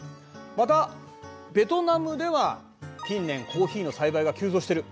またベトナムでは近年コーヒーの栽培が急増してる。